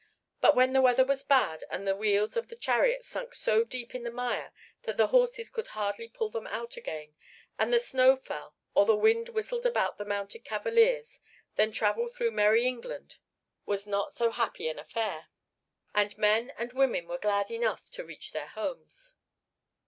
But when the weather was bad and the wheels of the chariots sunk so deep in the mire that the horses could hardly pull them out again, and the snow fell or the wind whistled about the mounted cavaliers, then travel through "merry England" was not so happy an affair, and men and women were glad enough to reach their homes.